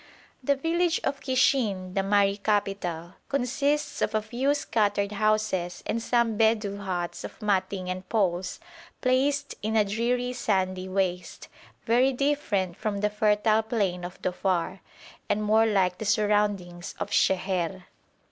The village of Kishin, the Mahri capital, consists of a few scattered houses and some Bedou huts of matting and poles placed in a dreary sandy waste, very different from the fertile plain of Dhofar, and more like the surroundings of Sheher.